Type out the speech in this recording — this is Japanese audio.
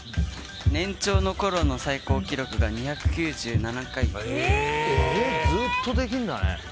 年長のころの最高記録がずっとできるんだね。